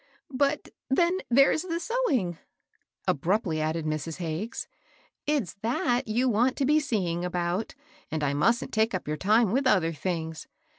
" But then there's the sewing," abruptly added Mrs. Hagges ;" it's that you want to be seeing about, and I musn't take up your time with other things.